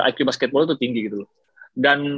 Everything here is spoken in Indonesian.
iq basketball itu tinggi gitu loh dan